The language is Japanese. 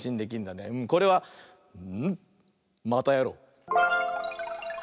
これは。またやろう！